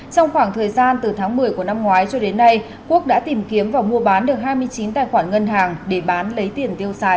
trong khoảng thời gian từ tháng một mươi của năm ngoái cho đến nay quốc đã tìm kiếm và mua bán được hai mươi chín tài khoản ngân hàng để bán lấy tiền tiêu xài